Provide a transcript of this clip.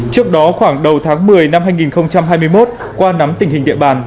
trước đó khoảng đầu tháng một mươi năm hai nghìn hai mươi một qua nắm tình hình địa bàn